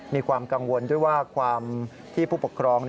มีความกังวลด้วยว่าความที่ผู้ปกครอง